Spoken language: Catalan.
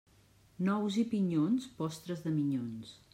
Nous i pinyons, postres de minyons.